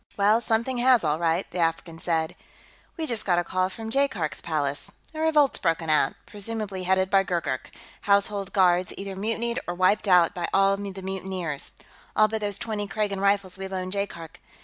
"Well, something has, all right," the African said. "We just got a call from Jaikark's Palace a revolt's broken out, presumably headed by Gurgurk; Household Guards either mutinied or wiped out by the mutineers, all but those twenty Kragan Rifles we loaned Jaikark.